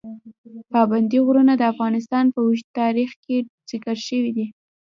پابندي غرونه د افغانستان په اوږده تاریخ کې ذکر شوي دي.